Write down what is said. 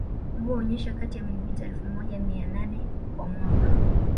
Mvua hunyesha kati ya milimita elfu moja mia nane kwa mwaka